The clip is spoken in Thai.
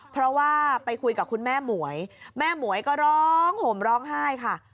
เพราะว่าไปคุยกับคุณแม่หมวยแม่หมวยก็ร้องห่มร้องไห้ค่ะ